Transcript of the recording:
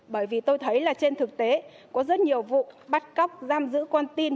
bởi vì tôi thấy là trên thực tế có rất nhiều vụ bắt cóc giam giữ con tin